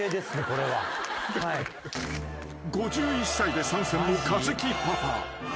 ［５１歳で参戦のかずきパパ］